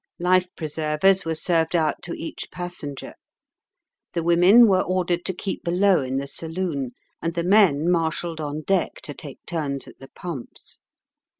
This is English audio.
Life preservers were served out to each passenger. The women were ordered to keep below in the saloon, and the men marshalled on deck to take turns at the pumps.